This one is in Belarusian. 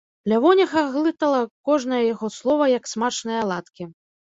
Лявоніха глытала кожнае яго слова, як смачныя аладкі.